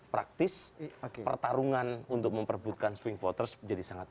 praktis pertarungan untuk memperbutkan swing voters menjadi sangat